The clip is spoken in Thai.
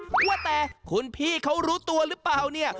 ว่าแต่คุณพี่เขารู้ตัวหรือเปล่าเนี่ย